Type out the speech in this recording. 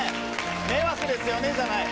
迷惑ですよねぇじゃない。